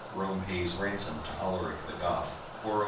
ROME PAYS RANSOM TO ALARIC THE GOTH [409 A.